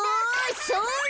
それ。